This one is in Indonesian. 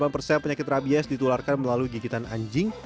delapan persen penyakit rabies ditularkan melalui gigitan anjing